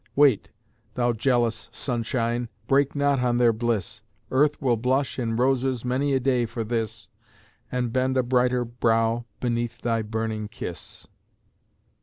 Wait, thou jealous sunshine, Break not on their bliss; Earth will blush in roses Many a day for this, And bend a brighter brow beneath thy burning kiss.